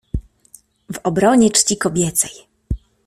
"W obronie czci kobiecej."